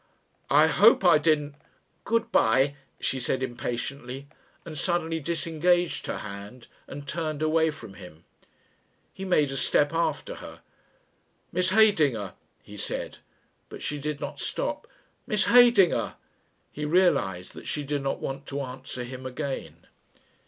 "I hope I didn't " "Good bye," she said impatiently, and suddenly disengaged her hand and turned away from him. He made a step after her. "Miss Heydinger," he said, but she did not stop. "Miss Heydinger." He realised that she did not want to answer him again....